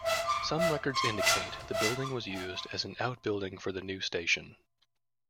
Some records indicate the building was used as an outbuilding for the new station.